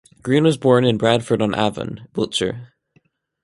Green was born in Bradford on Avon, Wiltshire.